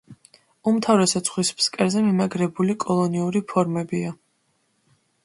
უმთავრესად ზღვის ფსკერზე მიმაგრებული კოლონიური ფორმებია.